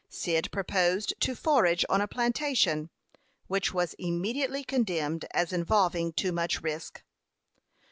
Cyd proposed to forage on a plantation, which was immediately condemned as involving too much risk.